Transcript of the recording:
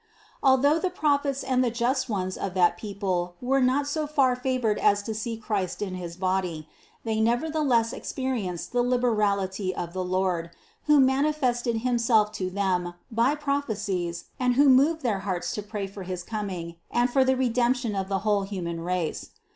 Al though the Prophets and the just ones of that people were not so far favored as to see Christ in his body, they nevertheless experienced the liberality of the Lord, who manifested Himself to them by prophecies and who moved their hearts to pray for his coming and for the Redemption of the whole human race.